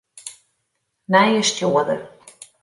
Nije stjoerder.